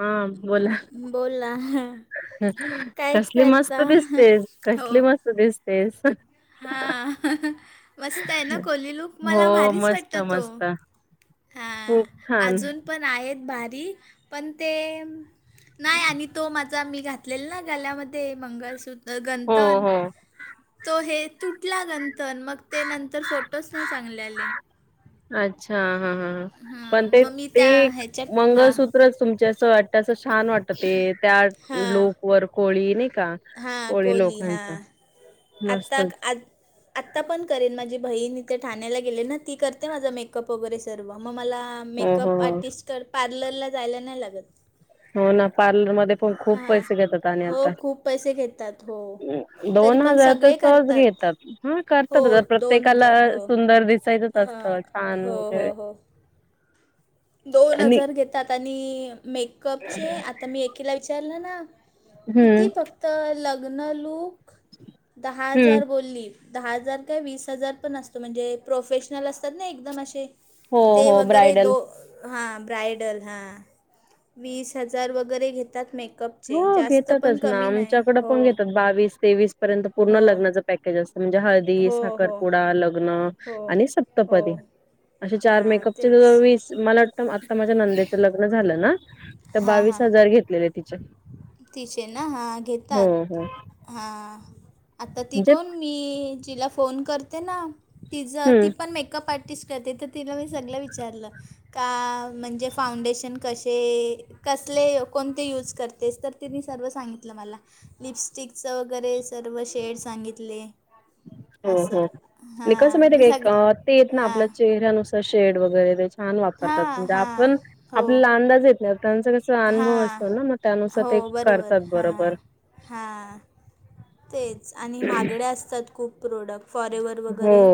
हा बोला बोल ना हां. कसली मस्त दिसतेस, कसली मस्त दिसतेस. हा मस्त आहे ना कोली लूक हो मला भारीच मस्त वाटत तो. मस्त हां खूप छान अजून पण आहेत भारी पण ते नाही आणि तो माझा मी घातलेला ना गल्यामध्ये मंगलसूत्र हो गंथन हो तो हे तुटला गंथन मग ते नंतर फोटोच नाही चांगले आले. अच्छा हा हा हां. हम्म म मी त्या ते एक ह्याच्यात हां मंगळसूत्रच तुमच्या अस वाट अस छान वाटत ते त्या हां लोक वर कोळी नाही का. हां कोळी कोली हां लोकांचा आता मस्तच आ आत्ता पण करेन माझी बहीण इथे ठाण्याला गेले ना ती करते माझा मेकअप वगैरे सर्व मग मला हो हो मेकअप हो आर्टिस्ट कर पार्लरला जायला नाही लागत. हो ना पार्लरमध्ये पण खूप हां पैसे घेतात आणि हो आता खूप पैसे घेतात हो तरी दोन पण हजार तर सगळे सहज करतात घेतात. हा हो करततच दोन प्रत्येकाला हजार हो सुंदर दिसायचंच हां असतं छान हो वगै हो [inaudible] दोन आणि हजार घेतात आणि मेकअपचे आता मी एकीला विचारलं ना हम्म किती फक्त लग्न लूक दहा हम्म हजार बोलली. दहा हजार काय वीस हजार पण असतो म्हणजे प्रोफेशनल असतात ना एकदम अशे हो ते हो वगैरे ब्रायडल दो हा ब्रायडल हा वीस हजार वगैरे घेतात मेक हो घेतातच ना आमच्याकडे पण हो घेतात बावीस तेवीस पर्यंत पूर्ण हो लग्नाच पकेज असं म्हणजे हळदी, हो हो साखरपुडा, लग्न आं हो आणि हो सप्तपदी अशी चार हां मेकअपचे तेच वीस मला वा टतं आता माझ्या नंदेचं लग्न झालं ना तर हां हां बावीस हजार घेतलेले तिचे. तिचे ना हां हो घेतात हो हां आत्ता ती म्हणजे कोण ती ही जिला फोन करते ना तिजा हम्म ती पण मेकअप आर टीस करते तर तिला मी सगळं विचारलं का म्हणजे फाउंडेशन कशे कसले कोणते यूज करतेस तर तिने सर्व सांगितलं मला. लिपस्टिकच वगैरे सर्व शेड सांगितले. हो असं हो नी कसं हां माहिती मी आहे सग का एक अ ते येत ना हां आपल्या चेहऱ्यानुस सार शेड वगैरे छान हां वापरतात हां आपण हो आपल्याला अंदाज येत नाय त्यांचं कसं चा अनुभव हां असतो ना मग त्यानुसार हो ते बरोबर करतात हां बरोबर. हां तेच आणि माहागड्या असतात खूप प्रोडक्ट फॉरेवर्हर हो वगैरे.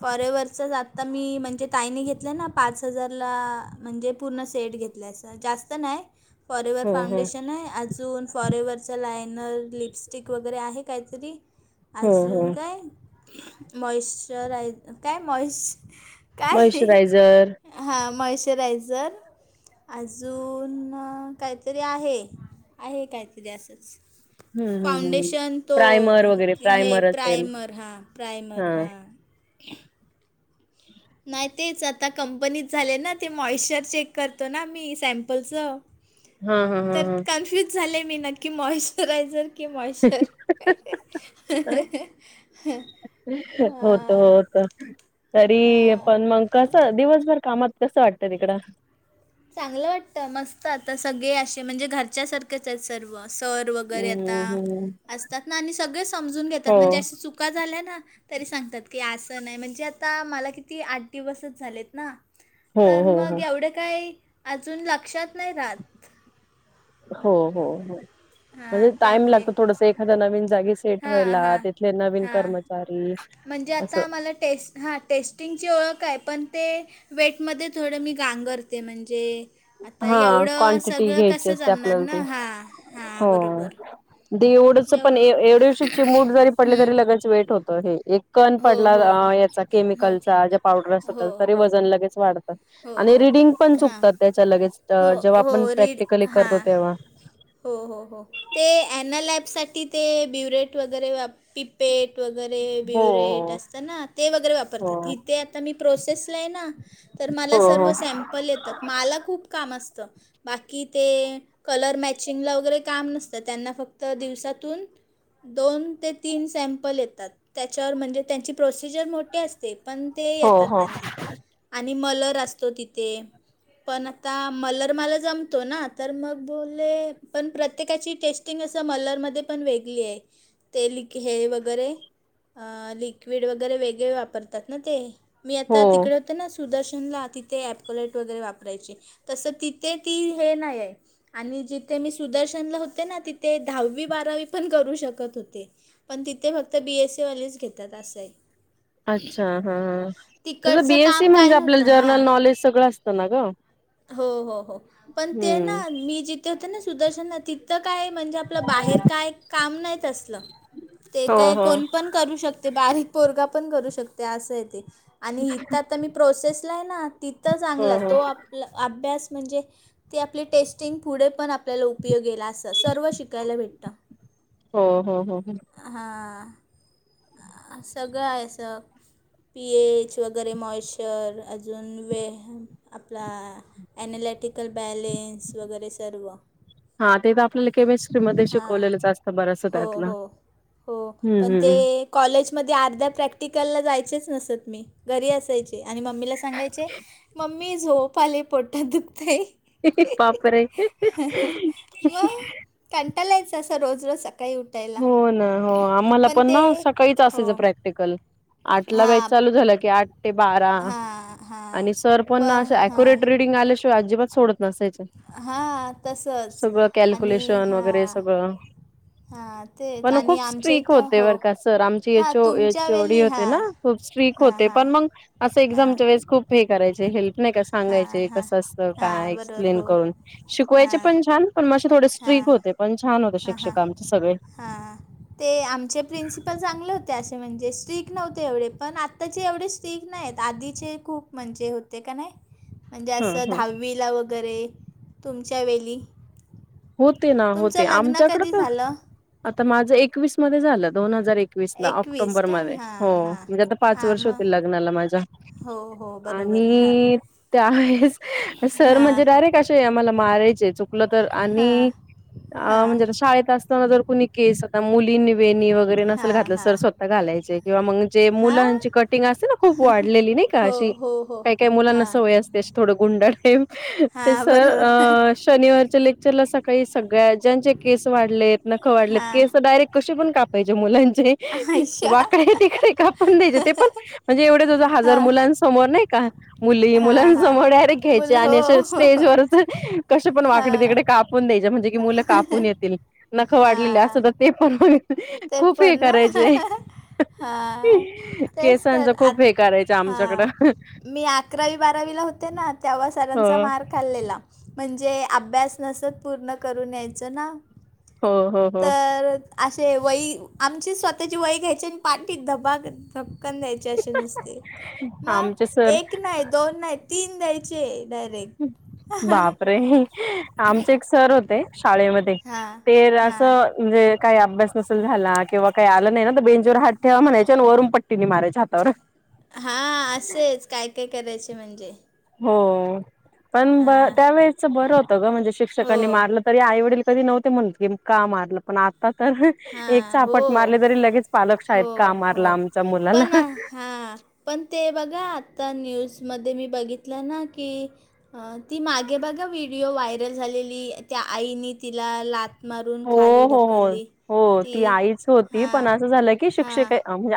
फॉरेव्हरचाच आता मी म्हणजे ताईनी घेतलं ना पाच हजारला म्हणजे पूर्ण सेट घेतले असं. जास्त नाही फॉरेवर हो हो फाउंडेशन आहे अजून फॉरेएवर वरचा लायनर, लिपस्टिक वगैरे आहे काहीतरी हो हो अजून काय मॉइस्श्चराय काय मॉइश काय मॉइश्चरायझर हां मॉइश्चरायझर अजून काहीतरी आहे आहे काहीतरी असंच हम्म हम्म हम्म फाउंडेशन तो प्रायमर वगैरे हे प्रायमर असेल प्रायमर हा प्रायमर हा. [unintelligible] नाही तेच आता कंपनीत झाले ना ते मॉइश्चर चेक करतो ना मी सॅम्पलचं हा हा हा तर हा कन्फ्युज झाले मी नक्की मॉइश्चरायझर की मॉइश्चर हा. क तरी पण मंग कसं दिवसभर कामात कसं वाटतं तिकडं? चांगलं वाटतं मस्त आता सगळे अशे म्हणजे घरच्या सारखेच आहे सर्व सर र वगैरे आता हम्म हम्म असतात ना आणि सगळे समजून हो घेत्यात म्हणजे अशी चुका झाल्या ना तरी सांगतात की असं नाही म्हणजे आता मला किती आठ दिवसच झालेत ना हो तर हो हो मग एवढे काही अजून लक्षात नाही राहत. हो हो हो हां म्हणजे टाईम त्यामुळे लागतो थोडस एखाद्या नवीन जागीस सेट हां व्हायला हां तिथले नवीन हां कर्मचारी म्हणजे आता असं आम्हाला टेस्ट हां टेस्टिंगची ओळख आहे पण ते वेटमध्ये थोडं मी गांगरते म्हणजे आता हा एवढं क्वांटिटी सगळं घ्यायची कसं असते जमणार आपल्याला ना ती हा हा बरोबर. दे एवढंस पण एवढं एव एवढशी चिमूट जरी पडली हं, तरी लगेच वेट होतं हे एक कण हो पडला हो अ याचा हो केमिकलचा ज्या पावडर असतो हो त्याजा तरी हो वजन लगेच वाढ हो आणि हो रीडिंग पण हां चुकतात. त्याच्या लगेच अ हो जेव्हा हो आपण रीड प्रॅक्टिकली करतो हां तेव्हा हो हो हो, ते ॲनलॅब साठी ते ब्युरेट वगैरे वाप पिपेट वगैरे हो ब्युरेट असतं ना ते वगैरे हो वापरतात. इथे आता मी प्रोसेस ला ये ना, तर मला हो सर्व हो. सॅम सॅमपल येतात. माला खूप काम असत. बाकी ते कलर मॅचिंगला वगैरे काम नसतं. त्यांना फक्त दिवसातून दोन ते तीन सॅम्पल येतात. त्याच्यावर म्हणजे त्यांची प्रोसिजर मोठी असते. पण ते येतात हो त्यांना, आणि मलर असतो तिथे पण आता मलर मला जमतो ना, तर मग बोलले, पण प्रत्येकाची टेस्ट स्टिंग असं मलरमध्ये पण वेगली ये. ते लि हे वगैरे अ लिक्विड वगैरे वेगळे वापरतात ना ते, मी हो आता तिकडे होते ना सुदर्शनला तिथे ऍपकोलेट वगैरे वापरायचे. तसं तिथे ती हे नाय हाय आणि जिथे मी सुदर्शनला होते ना, तिथे दहावी बारावी पण करू शकत होते. पण तिथे फक्त बी एस सी वालेच घेतात असं आय. अच्छा हा, कसं बी तिकडचं एस सी काम काय म्हणजे आपल्याला नव्हतं हां जरर्नल नॉलेज सगळं असतं ना ग हो हो हो, पण ते हम्म. ना, मी जिथे होते ना सुदर्शनला तिथं तिथ काय म्हणजे आपलं बाहेर काय काम नाय तसलं. ते हो काय हो कोण पण करू शकते. बारीक पोरगा पण करू शकते. असंय ते आणि हीत आत आता मी प्रोसेसला हाय ना, तिथं हो चांगला हो. तो आप आपल अभ्यास म्हणजे ति आपली टेस्टिंग पुढे पण आपल्याला उपयोगी येत असं सर्व शिकायला भेटत. हो हो हो हो. हां सगळ आय असं पी एच वगैरे मॉइचर अजून वे आपला ॲनालॅटिकल बॅलेन्स वगैरे सर्व हा ते त आपल्याला केमिस्ट्रीमध्ये हां शिकवलेलंच असत बरंसच हो त्यातलं हो हो. हम्म पण ते हम्म. कॉलेजमध्ये अर्ध्या प्रॅक्टिकलला जायचेच नसत मी, घरी असायची आणि मम्मीला सांगायचे, मम्मी झोप आले पोटात दुखतय. बापरे कंटाला यांयचा असां रोज रोज सकाळी उठ हो ना हो, आम्हाला पण न सकाळीच असायचं हो प्रॅक्टिकल आठला बॅज हां चालू झालं की, आठ ते बारा हां हां आणि सर पण प न असे हां एक्युरेट रीडिंग आल्याशिवाय अजिबात सोडत नसायच. हां तसंच सगळं आणि कॅल्क्युलेशन वगैरे हां सगळं हां तेच पण आणि खूप आमच्या इथं होते. हो बरं का सर आमचे हां एच ओ तुमच्या एच ओ डी वेली होते हां ना खूप स्ट्रीक हां होते. हां पण मंग असं हां एक्झामच्या वेळेस खूप हे करायचे. हेल्प नाय का हां सांगायचे. हां कसं असतं काय हां बरोबर एक्सप्लेन हो करून शिकवायचे हां पण छान. पण म असेे थोडे हां स्ट्रीक होते. पण छान होते. शिक्षक आमचे सगळे हा, ते आमचे प्रिन्सिपल चांगले होत्या असे म्हणजे स्ट्रीक नव्हते एवढे, पण आत्ताचे एवढे स्ट्रीक नाय येत. आधीचे खूप म्हणजे होते क नाय म्हणजे हं असं हं. दहावीला वगैरे, तुमच्या वेली होते ना होते. आमच्याकड कधी त झालं आता माझं एकवीस मध्ये झालं. दोन हजार एक एकवीस ला एकवीस ऑक्टोंबर म काय हां हो हां म्हणजे आता पाच हां वर्ष मग होतील लग्नाला माझ्या. हो हो बरोबर हां आणि त्यावेळेस सर हां म्हणजे डायरेक्ट अशे आम्हाला मारायचे. चुकलं तर. हां आणि हां म्हणजे शाळेत असताना जर कुणी केस मुली वेणी वगैरे ते नसेल हां घातल हां सर स्वतः घालायचे किंवा मग जे हां मुलांची असते ना खूप वाढलेली नाही का हो अशी हो हो काही, काही मुलांना हां सवय असते थोडं गुंडाळ टाईप ते हां सर बरोबर अ शनिवारच्या लेक्चरला सकाळी सगळ्या ज्यांचे केस वाढलेत, नखं वाढलेत, हां केस डायरेक्ट कसे पण कापायचे मुलांचे. आयशा वाकडे, तिकडे कापून द्यायचे ते पण म्हणजे एवढे जवळ, जवळ हजार हां मुलां समोर नाही का मुली, मुलां हां हां समोररे घ्यायचे मुलं हो आणि अे स्टेजवरच कसे पण वाकडी, हां तिकडे कापून द्यायच्या म्हणजे की मुलं कापून येतील नखं वाढले अस हां ते पण ते खूप हे पण ना करायचे. हां तेच केसांचं तर खूप आत हेे कायचं हां आमच्याकडं. त्याला तेव्हा सरांचा हो मार खाल्लेला. म्हणजे अभ्यास नसत पूर्ण करून यायचं ना. हो हो हो. तर आमची स्वतःची वई आणि पाठी धबाक, धक्कन द्यायचे. द्यायचे असे नसते आमचे मग सर एक नाही, दोन नाही, तीन द्यायचे डायरेक्ट. बापरे आमचे एक सर होते शाळे मध्ये हां ते हां असं म्हणजे काही अभ्यास नसेल झाला किंवा काही आलं नाही ना तर बेंजोवर हात ठेवा म्हणाय आणि वरून पट्टीने मारायच्या हातावर. हा असेच काय, काय करायचे म्हणजे. हो पण ब हां त्यावेळेच बरं होत ग म्हणजे हो शिक्षकांनी मारलं तरी आईवडील कधी नव्हते म्हणत की का मारलं पण आता तर हां एक चापट हो मारले तरी लगेच पालक हो शाळेत का मारला हो आमच्या पण मुलाला. हां पण ते बघा आता न्यूजमध्ये मी बघितलं ना की अ ती मागे बघा व्हिडिओ व्हायरल झालेली त्या आईने तिला लाथ मारून हो खाली हो हो ढकलली. हो ती आईच होती पण हां असं झालं की हां शिक्षक हाय म्हणजे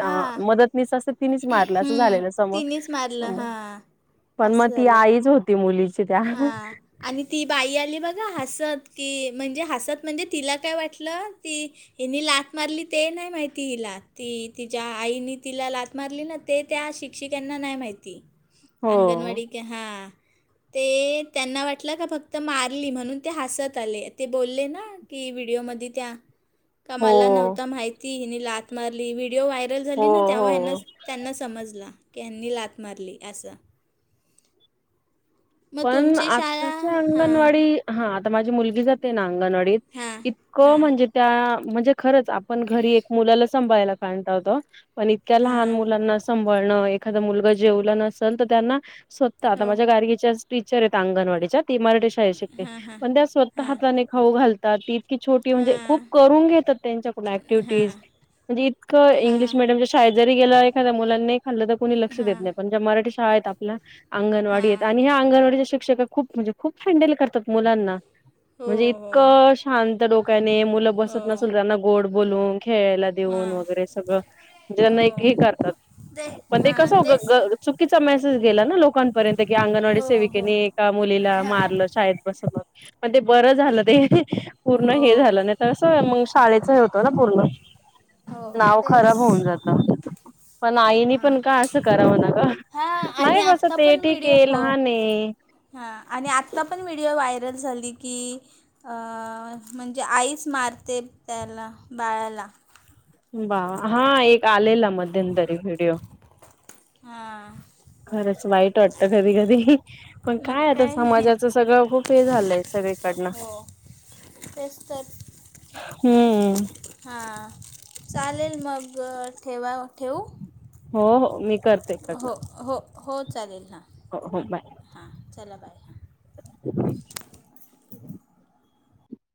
हां मदत मीच असं तिनेच मारलं असं हम्म झालेलं समोर, तिनेच मारलं हां पण मग असं ती झालं आईच हो ती मुलींची त्या हां आणि ती बाई आली बघा हसत की म्हणजे हसत म्हणजे तिला काय वाटलं ती हिनी लात मारली ते नाही माहिती हिला ती तिच्या आईनी तिला लात मारली ना ते त्या शिक्षिकांना नाही माहिती हो अंगणवाडी ते हा. ते त्याना वाटलं का फक्त मारली म्हणून ते हसत आले ते बोलले ना की व्हिडिओमध्ये त्या हो कामाला नव्हता माहिती हिनी लात मारली व्हिडिओ व्हायरल हो झाली ना तेव्हा हो हेना त्यांना समजला की हेनी लात मारली असं. मग पण तुमची शाळा आत्ताच्या हां अंगणवाडी हा आता माझी मुलगी जाते ना अंगणवाडीत हां इतकं हां म्हणजे त्या म्हणजे खरंच आपण घरी एक मुलाला संभायला कारण टाळतो पण इतक्या लहान हां मुलांना सभाळणं एखाद मुलगा जेवला नसल त्यांना स्वत आता हो माझ्या गार्गीच्याच टीचर आहेत अंगणवाडीच्या ती मराठी शाळेत शिकते पण त्या स्वतः हां हाताने खाऊ घाल ती इतकी छोटी म्हणजे खूप हां करून घेतात त्यांच्या कडून हां ऍक्टिव्हिटीज म्हणजे इतकं हां इंग्लिश मिडीयमच्या शाळेत जरी गेल एखाद्या मुलांनी खाल्लं तर कोणी लक्ष देत हां नाही पण ज्या मराठी शाळा आहेत आपल्या अंगणवाडीयत हां आणि ह्या अंगणवाडीच्या शिक्षका खूप म्हणजे खूप हँडल करतात मुलांना. हो म्हणजे हो इतकं शांत डोक्याने मुलं हो बसत नसल त्यांना गोड बोलून, खेळायला देऊन हां वगैरे सगळं ज्यांना हो एक हे करतात. पण ते हां कस ग तेच ग तर चुकीचा मेसेज गेला ना लोकांपर्यंत की अंगणवाडी हो हो सेविकेने एका मुलीला हां मारलं शाळेत बसत म मग ते बरं झालं ते पूर्ण हो हे झालं नाही तर असं मग शाळेच हे होतंय ना पूर्ण हो नाव तेच खराब होऊन जात. पण आईनी हां पण का असं करावं ना ग, हां आणि नाही आत्ता बसतय, पण व्हिडिओ ठीकय, हो लहानय. हां आणि आत्ता पण व्हिडिओ व्हायरल झाली की अ म्हणजे आईच मारते त्याला बाळाला. बा हां एक आलेला मध्यंतरी व्हिडिओ. हां. खरंच वाईट टत कधी कधी पण काय आता समाजाचं सगळं खूप हे झालंय सगळीकडनं. ते च तर. हम्म. हां चालेल मग ठेवा ठेवू? हो हो मी करते. हो इकडनं हो हो चालेल हा. हो हो बाय. हां चला बाय हां. [inaudible]